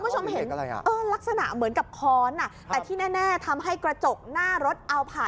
ใช่ค่ะ